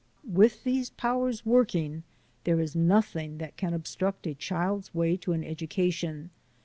With these powers working, there is nothing that can obstruct a child's way to an education.